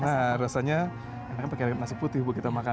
nah rasanya enak pakai nasi putih buat kita makan